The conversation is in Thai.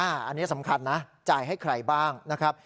อันนี้สำคัญนะจ่ายให้ใครบ้างนะครับ